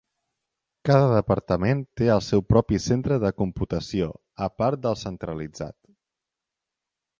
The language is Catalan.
Cada departament té el seu propi centre de computació, a part del centralitzat.